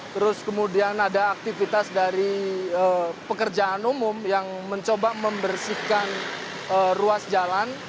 terus kemudian ada aktivitas dari pekerjaan umum yang mencoba membersihkan ruas jalan